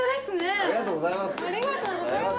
ありがとうございます。